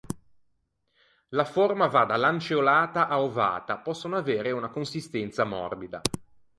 La forma va da lanceolata a ovata; possono avere una consistenza morbida.